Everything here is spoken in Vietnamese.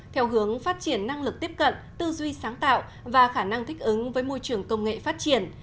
theo hướng phát triển năng lực tiếp cận tư duy sáng tạo và khả năng thích ứng với môi trường công nghệ phát triển